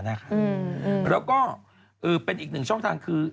แล้วก็เป็นอีกหนึ่งช่องทางคือ